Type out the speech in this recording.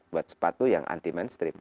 buat sepatu yang anti mainstream